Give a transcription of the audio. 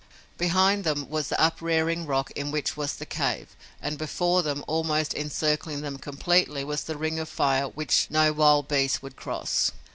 Behind them was the uprearing rock in which was the cave and before them, almost encircling them completely, was the ring of fire which no wild beast would cross.